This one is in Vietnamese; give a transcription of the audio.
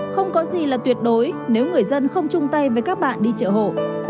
không có gì là tuyệt đối nếu người dân không chung tay với các bạn đi chợ hộ